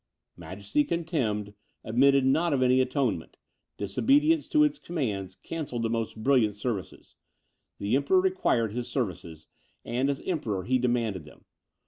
Majesty contemned, admitted not of any atonement; disobedience to its commands cancelled the most brilliant services. The Emperor required his services, and as emperor he demanded them.